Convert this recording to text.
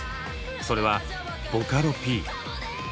それはボカロＰ。